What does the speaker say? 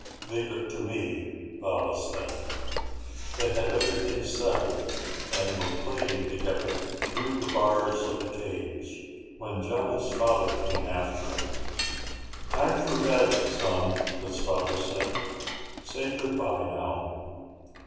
"Leave it to me," Baba said. They had everything settled and were playing together through the bars of the cage when Johnny's father came after him. "Time for bed, son," his father said. "Say goodbye, now."